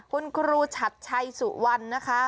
คุณครูชัดชัยสุวรรณนะคะ